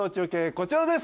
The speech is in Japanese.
こちらです